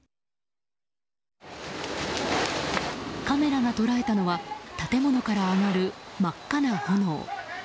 カメラが捉えたのは建物から上がる真っ赤な炎。